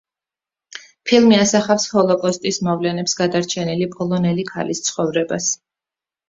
ფილმი ასახავს ჰოლოკოსტის მოვლენებს გადარჩენილი პოლონელი ქალის ცხოვრებას.